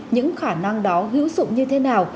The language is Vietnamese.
những khả năng đó hữu dụng như thế nào